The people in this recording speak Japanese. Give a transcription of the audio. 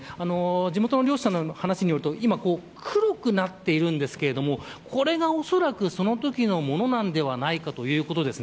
地元の漁師らの話によると今、黒くなっているんですがこれが、おそらくそのときのものなのではないかということです。